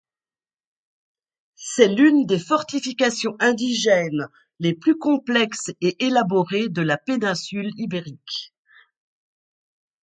C'est l'une des fortifications indigènes les plus complexes et élaborées de la péninsule Ibérique.